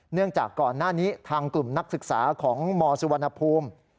จากก่อนหน้านี้ทางกลุ่มนักศึกษาของมสุวรรณภูมิ